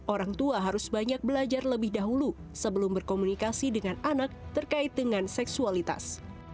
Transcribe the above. orang tua harus banyak belajar lebih dahulu sebelum berkomunikasi dengan anak terkait dengan seksualitas